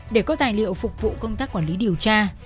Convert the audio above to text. để có tài liệu phục vụ công tác quản lý điều tra